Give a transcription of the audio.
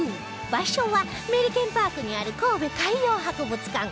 場所はメリケンパークにある神戸海洋博物館